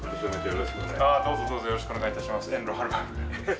今年もよろしくお願いします。